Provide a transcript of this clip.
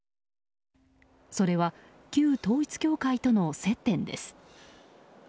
それは、旧統一教会との接点です。